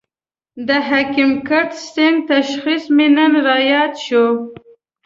د حکیم کرت سېنګ تشخیص مې نن را ياد شو.